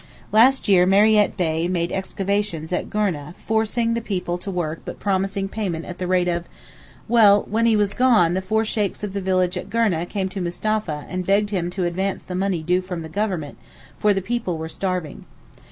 Last year Mariette Bey made excavations at Gourneh forcing the people to work but promising payment at the rate of—Well, when he was gone the four Sheykhs of the village at Gourneh came to Mustapha and begged him to advance the money due from Government, for the people were starving.